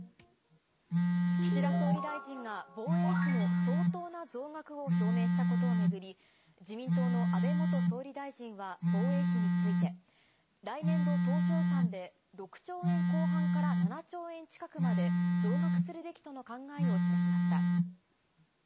岸田総理大臣が、防衛費の相当な増額を表明したことを巡り、自民党の安倍元総理大臣は防衛費について、来年度当初予算で６兆円後半から７兆円近くまで増額するべきとの考えを示しました。